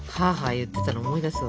言ってたのを思い出すわ。